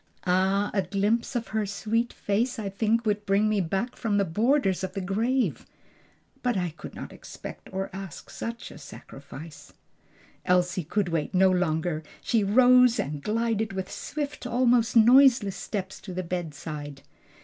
"Ah, a glimpse of her sweet face I think would bring me back from the borders of the grave! But I could not expect or ask such a sacrifice." Elsie could wait no longer; she rose and glided with swift, almost noiseless steps to the bedside.